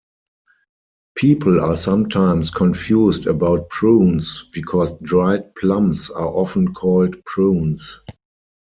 People are sometimes confused about prunes because dried plums are often called prunes.